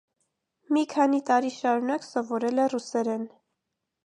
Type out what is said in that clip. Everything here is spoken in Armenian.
Մի քանի տարի շարունակ սովորել է ռուսերեն։